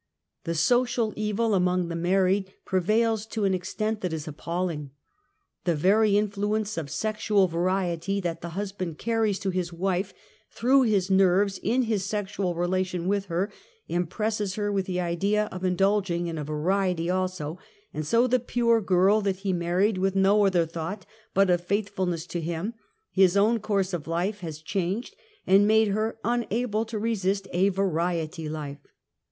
The socM^ejvjLamong the^ married prevails to an extent that is appalling. The very influence of sex ual variety that the husband carries to his wife through his neryes in his sexual relation Avith her, impresses her with the idea of indulging in a variety also^and so the pure girl that he married with no other thought hut of faithfulness to him, his own / course of life has changed, and made her nnadde to ^ resist a variety life.